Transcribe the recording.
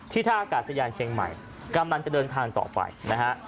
ท่าอากาศยานเชียงใหม่กำลังจะเดินทางต่อไปนะฮะ